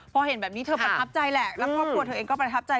พอเห็นแบบนี้เธอประทับใจแหละแล้วครอบครัวเธอเองก็ประทับใจ